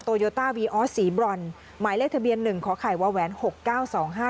โยต้าวีออสสีบรอนหมายเลขทะเบียนหนึ่งขอไข่วาแหวนหกเก้าสองห้า